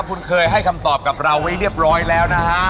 คุณเคยให้คำตอบกับเราไว้เรียบร้อยแล้วนะฮะ